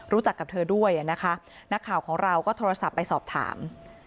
รู้จักกับเธอด้วยนะคะนักข่าวของเราก็โทรศัพท์ไปสอบถาม